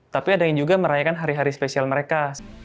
tapi ada yang juga merayakan hari hari spesial mereka